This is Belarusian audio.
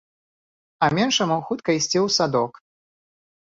А меншаму хутка ісці ў садок.